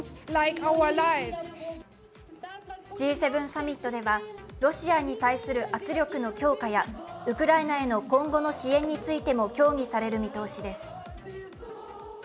Ｇ７サミットではロシアに対する圧力の強化やウクライナへの今後の支援についても協議される見通しです。